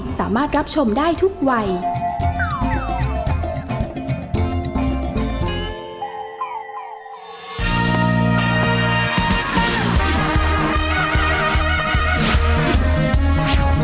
แม่ม่อนประจำบาน